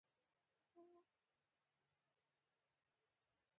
ډاکټر اشرف غنی د افغانستان تقدیر بدلو خو خاینانو یی مخه ونیوه